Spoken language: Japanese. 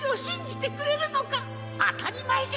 あたりまえじゃ。